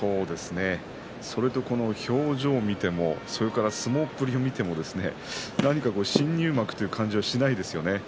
それと、この表情を見ても相撲っぷりを見ても何か新入幕という感じがしないですよね。